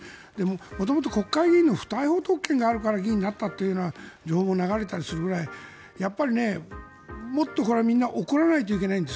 元々国会議員の不逮捕特権があるから議員になったというような情報が流れたりするくらいもっとこれはみんな怒らないといけないんです。